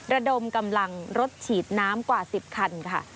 ระดมกำลังรถฉีดน้ำกว่า๑๐คันค่ะ